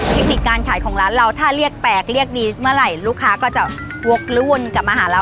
เทคนิคการขายของร้านเราถ้าเรียกแปลกเรียกดีเมื่อไหร่ลูกค้าก็จะวกรวนกลับมาหาเรา